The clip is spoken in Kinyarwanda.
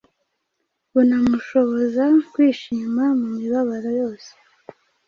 bunamushoboza kwishima mu mibabaro yose.